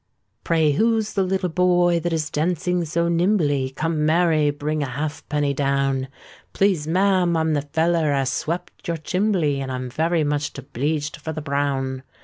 "Pray, who's the little boy that is dancing so nimbly? Come, Mary, bring a halfpenny down.—" "Please, ma'am, I'm the feller as swept your chimbley, And I'm very much obleeged for the brown.